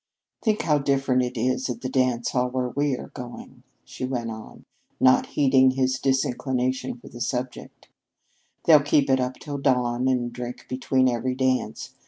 "Think how different it is at the dance hall where we are going," she went on, not heeding his disinclination for the subject. "They'll keep it up till dawn and drink between every dance.